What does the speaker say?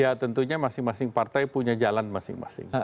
ya tentunya masing masing partai punya jalan masing masing